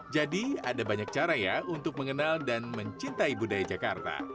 jadi ada banyak cara ya untuk mengenal dan mencintai budaya jakarta